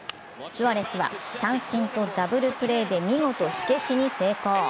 スアレスは三振とダブルプレーで見事、火消しに成功。